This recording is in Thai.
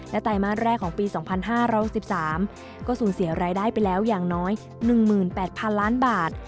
ไตรมาสแรกของปี๒๕๖๓ก็สูญเสียรายได้ไปแล้วอย่างน้อย๑๘๐๐๐ล้านบาท